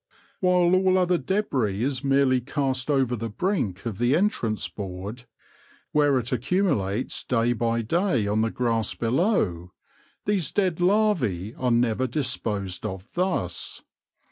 While all other debris is merely cast over the brink of the entrance board, where it accumulates day by day on the grass below, these dead larvae are never disposed of thus.